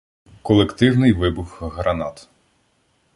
Колективний вибух гранат